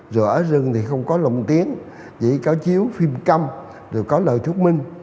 rồi ở rừng thì không có lộng tiếng chỉ có chiếu phim căm rồi có lời thúc minh